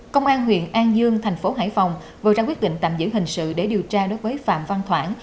công an huyện an dương thành phố hải phòng vừa ra quyết định tạm giữ hình sự để điều tra đối với phạm văn thoảng